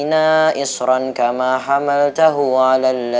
di sini tak nampak